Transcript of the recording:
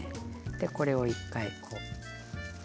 これを１回こう。